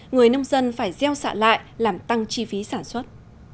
người nông dân phải gieo xạ lại làm tăng chi phí sản xuất